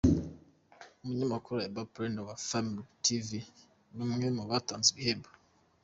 Umunyamakuru Ayabba Paulin wa Family Tv ni umwe mu batanze ibihembo.